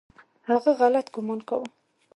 هغه غلط ګومان کاوه .